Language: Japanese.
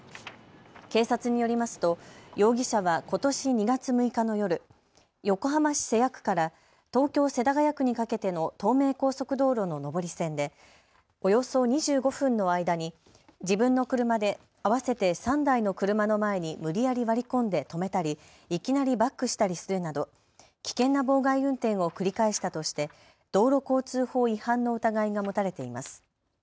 警察によりますと容疑者はことし２月６日の夜、横浜市瀬谷区から東京世田谷区にかけての東名高速道路の上り線でおよそ２５分の間に自分の車で合わせて３台の車の前に無理やり割り込んで止めたりいきなりバックしたりするなど危険な妨害運転を繰り返したとして道路交通法違反の疑いが持たれています。